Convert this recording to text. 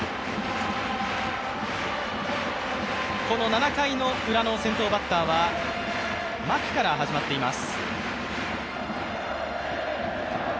７回ウラの先頭バッターは、牧から始まっています。